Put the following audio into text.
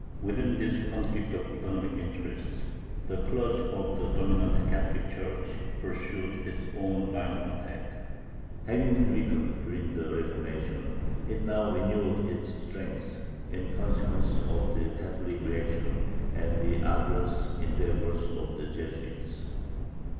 Within this conflict of economic interests the clergy of the dominant Catholic Church pursued its own line of attack. Having been weakened during the Reformation, it now renewed its strength in consequence of the Catholic reaction and the arduous endeavors of the Jesuits.